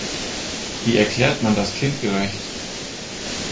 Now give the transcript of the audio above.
Wie erklärt man das kindgerecht?